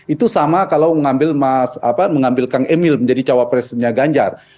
itu sama kalau mengambil kang emil menjadi cawapresnya ganjar